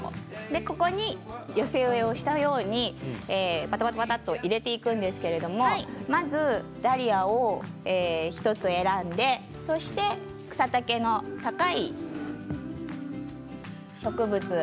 ここに寄せ植えをしたように入れていくんですけれどもまずダリアを１つ選んでそして草丈の高い植物